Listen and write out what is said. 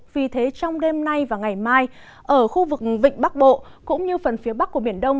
vì thế trong đêm nay và ngày mai ở khu vực vịnh bắc bộ cũng như phần phía bắc của biển đông